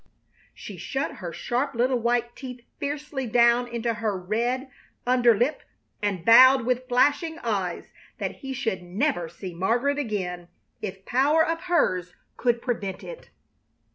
She shut her sharp little white teeth fiercely down into her red under lip and vowed with flashing eyes that he should never see Margaret again if power of hers could prevent it.